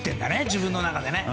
自分の中で。